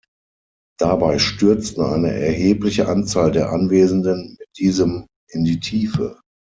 Dabei stürzten eine erhebliche Anzahl der Anwesenden mit diesem in die Tiefe.